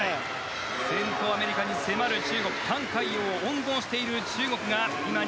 先頭アメリカ迫る中国タン・カイヨウを温存している中国。